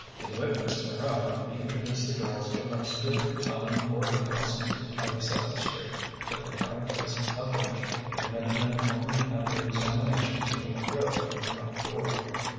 In witness whereof, he introduced the girls to an obscure Italian boarding house in Twenty seventh Street, the proprietress of which admitted them only after examination through a grille in the front door.